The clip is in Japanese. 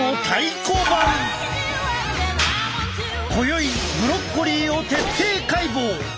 今宵ブロッコリーを徹底解剖！